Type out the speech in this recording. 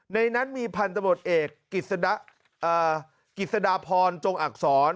ในนั้นมีพันธบทเอกกิจสดาพรจงอักษร